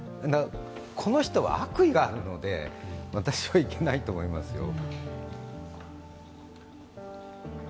この人は悪意があるので、私はいけないと思いますよ。